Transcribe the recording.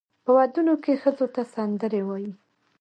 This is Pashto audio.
په ودونو کې ښځو ته سندرې وایي.